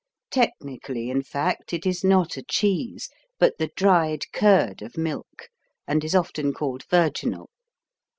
Technically, in fact, it is not a cheese but the dried curd of milk and is often called virginal.